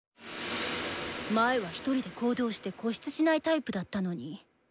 前は一人で行動して固執しないタイプだったのに。